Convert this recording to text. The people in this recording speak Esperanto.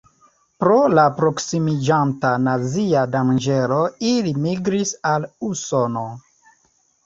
Pro la prosimiĝanta nazia danĝero ili migris al Usono.